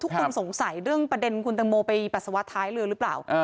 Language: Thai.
ทุกนึงสงสัยเรื่องประเด็นคุณตังโมเป็นปัดสวะท้ายเรือหรือป่าว